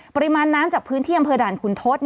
ปริมาณน้ำจากพื้นที่อำเภอด่านขุนทศ